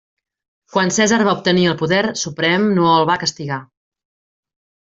Quan Cèsar va obtenir el poder suprem no el va castigar.